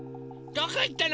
どこいったの？